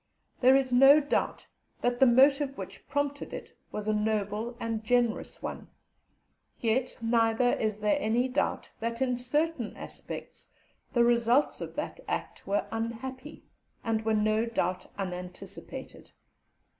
There is no doubt that the motive which prompted it was a noble and generous one; yet neither is there any doubt, that in certain respects, the results of that act were unhappy, and were no doubt unanticipated.